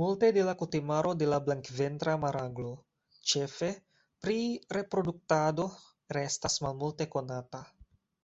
Multe de la kutimaro de la Blankventra maraglo, ĉefe pri reproduktado, restas malmulte konata.